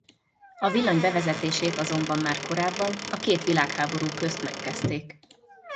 A villany bevezetését azonban már korábban a két világháború közt megkezdték.